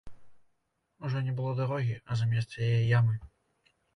Ужо не было дарогі, а замест яе ямы.